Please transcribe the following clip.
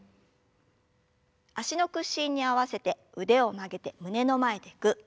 脚の屈伸に合わせて腕を曲げて胸の前でぐっ。